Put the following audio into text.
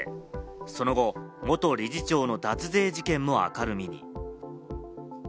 その後、元理事長の脱税事件も明るみに。